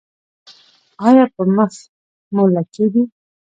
ایا په مخ مو لکې دي؟